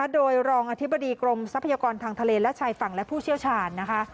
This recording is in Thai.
โดยรองอธิบดีกรมทรัพยากรทางทะเลและชายฝั่งและผู้เชี่ยวชาญนะคะ